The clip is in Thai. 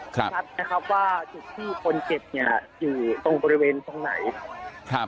ชัดนะครับว่าจุดที่คนเจ็บเนี่ยอยู่ตรงบริเวณตรงไหนครับ